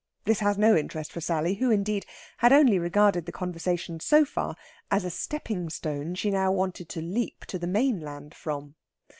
This has no interest for Sally, who, indeed, had only regarded the conversation, so far, as a stepping stone she now wanted to leap to the mainland from.